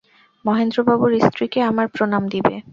মহেন্দ্রবাবুর স্ত্রীকে আমার প্রণাম দিবে।